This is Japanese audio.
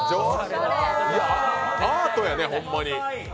アートやね、ほんまに。